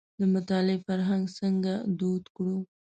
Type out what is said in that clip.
د مطالعې فرهنګ څنګه دود کړو.